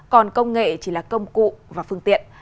còn công nghệ chỉ là công cụ và phương tiện